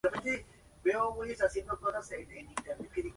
El álbum le consiguió varias nominaciones a algunos premios de la música.